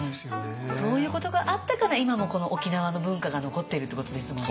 そういうことがあったから今もこの沖縄の文化が残っているってことですもんね